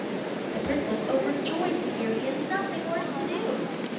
The prince was overjoyed to hear he had nothing worse to do.